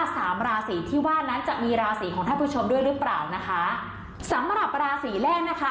สามราศีที่ว่านั้นจะมีราศีของท่านผู้ชมด้วยหรือเปล่านะคะสำหรับราศีแรกนะคะ